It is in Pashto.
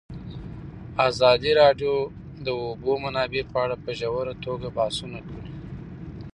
ازادي راډیو د د اوبو منابع په اړه په ژوره توګه بحثونه کړي.